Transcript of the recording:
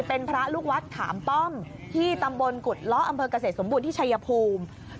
เป็นพระลูกวัดขามป้อมที่ตำบลกุฎล้ออำเภอกเกษตรสมบูรณ์ที่ชัยภูมิ